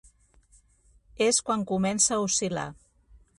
És quan comença a oscil·lar.